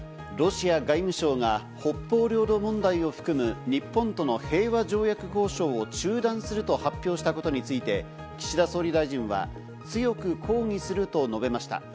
ロシア外務省が北方領土問題を含む日本との平和条約交渉を中断すると発表したことについて、岸田総理大臣は強く抗議すると述べました。